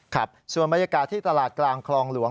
ครับส่วนบรรยากาศที่ตลาดกลางคลองหลวง